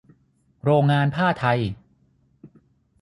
โรงงานผ้าไทย